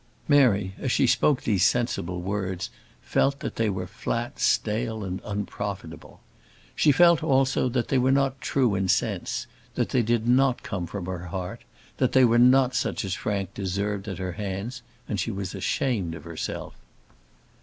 Mary, as she spoke these sensible words, felt that they were "flat, stale, and unprofitable." She felt, also, that they were not true in sense; that they did not come from her heart; that they were not such as Frank deserved at her hands, and she was ashamed of herself.